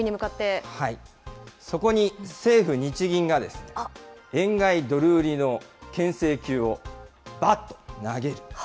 そこに政府・日銀が、円買いドル売りのけん制球をばっと投げる。